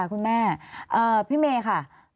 คุณแม่เพีย์เมชครับ